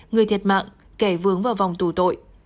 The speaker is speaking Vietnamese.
người thiệt mạng kẻ vướng vào vòng tù tội